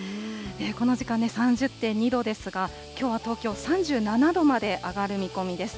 この時間３０．２度ですが、きょうは東京３７度まで上がる見込みです。